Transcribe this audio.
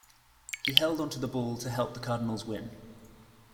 He held on to the ball to help the Cardinals win.